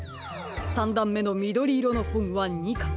３だんめのみどりいろのほんは２かん。